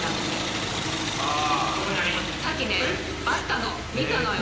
さっきねあったの。